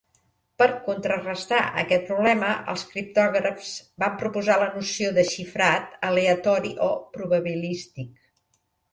Per contrarestar aquest problema, els criptògrafs van proposar la noció de xifrat "aleatori" o probabilístic.